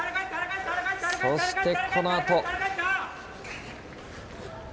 そしてこのあと。